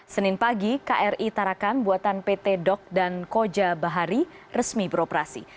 senin pagi kri tarakan buatan pt dok dan koja bahari resmi beroperasi